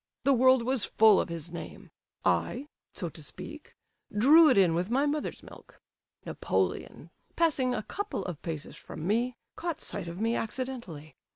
The world was full of his name; I—so to speak—drew it in with my mother's milk. Napoleon, passing a couple of paces from me, caught sight of me accidentally.